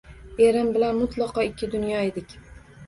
Erim bilan mutlaqo ikki dunyo edik